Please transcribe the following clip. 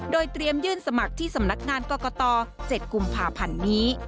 โดยเตรียมยื่นสมัครที่สำนักงานกรกต๗กุมภาพันธ์นี้